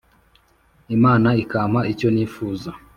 imana ikampa icyo nifuza